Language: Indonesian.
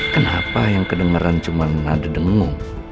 kenapa yang kedengeran cuma nada dengu